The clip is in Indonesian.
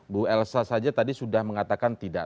bu elsa saja tadi sudah mengatakan tidak